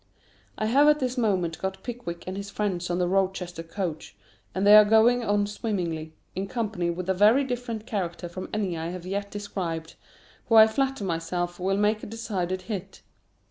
_I have at this moment got Pickwick and his friends on the Rochester coach, and they are going on swimmingly, in company with a very different character from any I have yet described, who I flatter myself will make a decided hit.